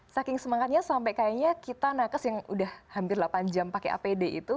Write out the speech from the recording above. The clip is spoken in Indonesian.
saking semangatnya sampai kayaknya kita nakes yang udah hampir delapan jam pakai apd itu